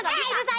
eh lu punya otak